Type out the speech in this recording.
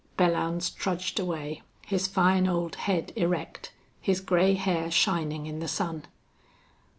Belllounds trudged away, his fine old head erect, his gray hair shining in the sun.